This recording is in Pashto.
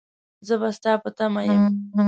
زه به ستا په تمه يم.